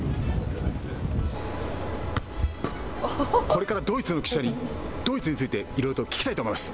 これからドイツの記者にドイツについて、いろいろと聞きたいと思います。